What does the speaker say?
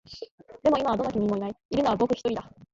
でも、今はどの君もいない。いるのは僕一人だ。